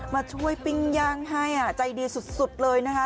มาช่วยปิ้งย่างให้ใจดีสุดเลยนะคะ